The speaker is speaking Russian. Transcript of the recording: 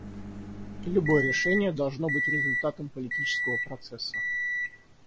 Любое решение должно быть результатом политического процесса.